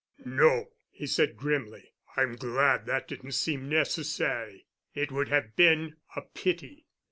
"No," he said grimly. "I'm glad that didn't seem necessary. It would have been a pity.